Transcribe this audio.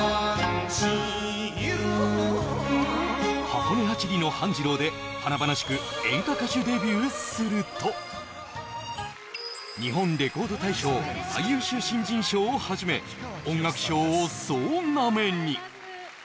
「箱根八里の半次郎」で華々しく演歌歌手デビューすると、日本レコード大賞最優秀新人賞をはじめ音楽賞を総なめに。